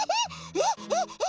えっえっえっ？